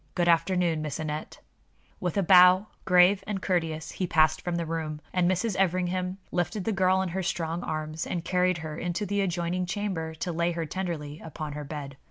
Good afternoon, Miss Aneth." With a bow, grave and courteous, he passed from the room, and Mrs. Everingham lifted the girl in her strong arms and carried her into the adjoining chamber to lay her tenderly upon her bed.